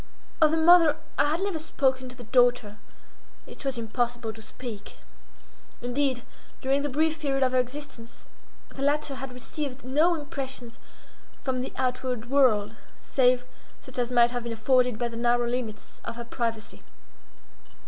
Of the mother I had never spoken to the daughter;—it was impossible to speak. Indeed, during the brief period of her existence, the latter had received no impressions from the outward world, save such as might have been afforded by the narrow limits of her privacy.